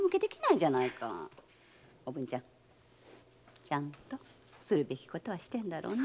おぶんちゃん。ちゃんとするべきことはしてんだろうね？